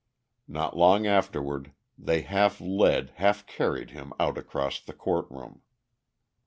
Not long afterward they half led, half carried him out across the court room.